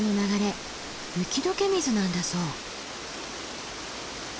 雪解け水なんだそう。